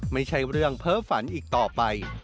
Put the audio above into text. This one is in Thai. ไม่ใช่เรื่องเพ้อฝันอีกต่อไป